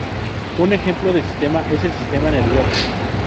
Un ejemplo de sistema es el sistema nervioso.